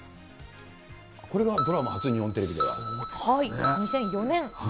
これがドラマ初、日本テレビ２００４年。